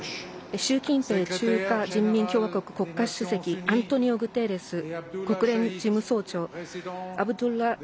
習近平中華人民共和国国家主席アントニオ・グテーレス国連事務総長アブドラ